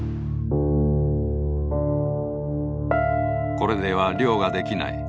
「これでは漁ができない」。